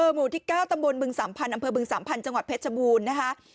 หมู่ที่๙ตำบลบึงสามพันธ์อำเภอบึงสามพันธ์จังหวัดเพชรบูรณ์นะคะ